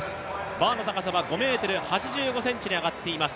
バーの高さは５ｍ８５ｃｍに上がっています。